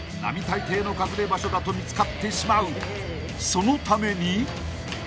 ［そのために］